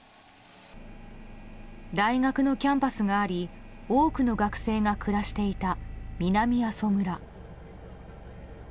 大学のキャンパスがあり多くの学生が暮らしていた南阿蘇村。